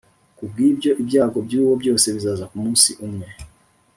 Ku bw’ibyo, ibyago byawo byose bizaza ku munsi umwe,